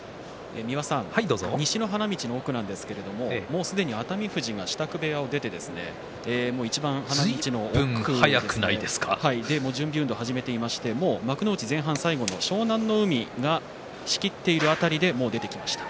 西の花道の奥なんですけれどもうすでに熱海富士が支度部屋を出ていちばん花道の奥で準備運動を始めていましてもう幕内前半最後の湘南乃海が仕切っている辺りで出てきました。